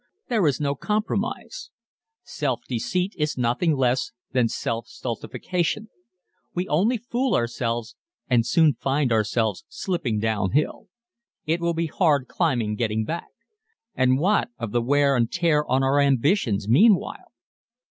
There is no compromise. Self deceit is nothing less than self stultification. We only fool ourselves and soon find ourselves slipping down hill. It will be hard climbing getting back. And what of the wear and tear on our ambitions meanwhile!